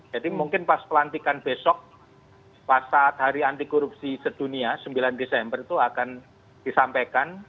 jadi mungkin pas pelantikan besok pas saat hari anti korupsi sedunia sembilan desember itu akan disampaikan